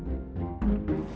semoga nggak hujan lagi